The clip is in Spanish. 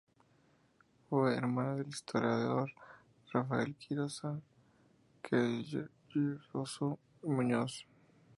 Fue hermana del historiador Rafael Quirosa-Cheyrouze y Muñoz.